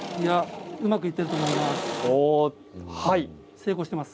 うまくいっていると思います。